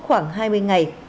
khoảng hai mươi ngày